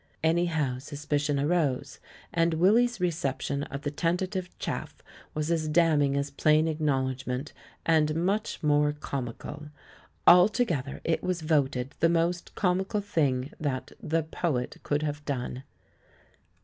Anyhow suspicion arose; and Willy's re ception of the tentative chaff was as damning as plain acknowledgement — and much more com ical. Altogether it was voted the most comical thing that "the poet" could have done.